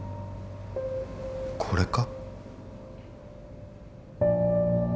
これか？